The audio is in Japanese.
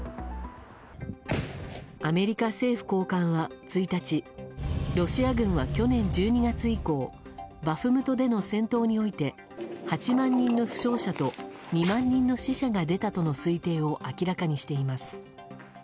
アメリカ政府高官は、１日ロシア軍は去年１２月以降バフムトでの戦闘において８万人の負傷者と２万人の死者が出たとの推定を明らかにしています。